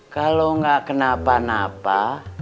kalau nggak kenapa napa